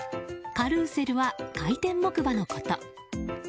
カルーセルは回転木馬のこと。